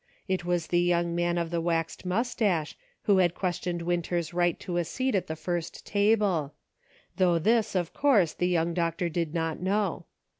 It was the young man of the waxed mustache, who had questioned Winter's right to a seat at the first table ; though this, of course, the young doctor did not know.